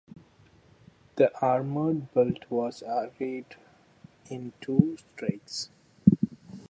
The armored belt was arrayed in two strakes.